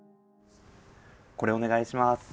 これお願いします。